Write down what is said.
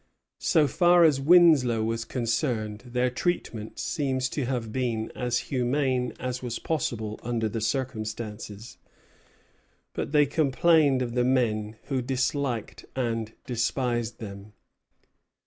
So far as Winslow was concerned, their treatment seems to have been as humane as was possible under the circumstances; but they complained of the men, who disliked and despised them.